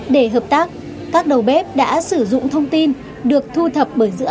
để hợp tác các đầu bếp đã sử dụng thông tin được thu thắng bởi các đồng chí